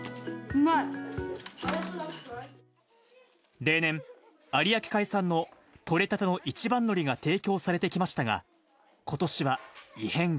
例年、有明海産の取れたての一番のりが提供されてきましたが、ことしは異変が。